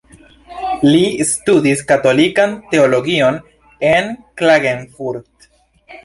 Li studis katolikan Teologion en Klagenfurt.